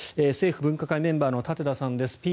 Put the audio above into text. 政府分科会メンバーの舘田さんです。